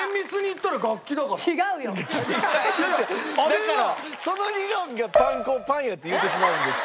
だからその理論がパン粉をパンやって言うてしまうんですよ。